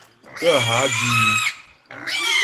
Kə́ há bí í.